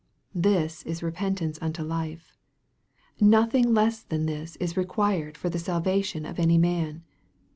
This is repentance unto life. Nothing less than this is required for the salvation of any man.